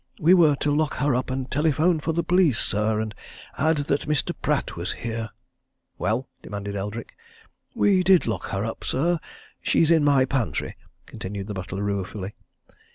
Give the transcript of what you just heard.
We were to lock her up and telephone for the police, sir, and to add that Mr. Pratt was here." "Well?" demanded Eldrick. "We did lock her up, sir! She's in my pantry," continued the butler, ruefully.